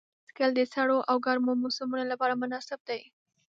بایسکل د سړو او ګرمو موسمونو لپاره مناسب دی.